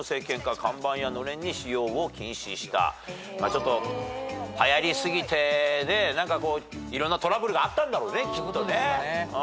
ちょっとはやりすぎていろんなトラブルがあったんだろうねきっとね。